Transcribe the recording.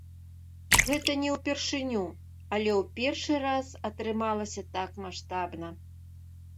Гэта не ўпершыню, але ў першы раз атрымалася так маштабна.